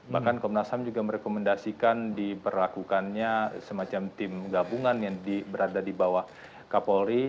bahkan komnas ham juga merekomendasikan diberlakukannya semacam tim gabungan yang berada di bawah kapolri